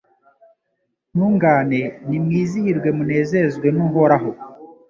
Ntungane nimwizihirwe munezezwe n’Uhoraho